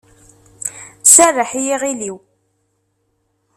Serreḥ i yiɣil-iw!